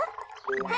はい。